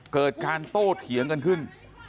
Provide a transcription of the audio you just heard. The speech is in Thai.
เกิดการโต้เถียงกันขึ้น